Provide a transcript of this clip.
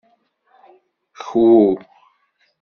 Kwu.